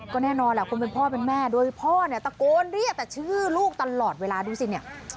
ก็แน่นอนแหละคนเป็นพ่อเป็นแม่โดยพ่อเนี่ยตะโกนเรียกแต่ชื่อลูกตลอดเวลาดูสิเนี่ย